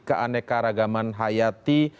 keaneka ragaman hayati